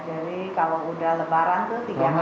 jadi kalau udah lebaran tuh tiga tiga